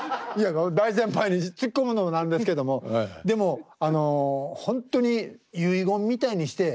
大先輩にツッコむのも何ですけどもでもあのほんとに遺言みたいにして。